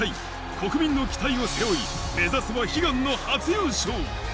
国民の期待を背負い、目指すは悲願の初優勝。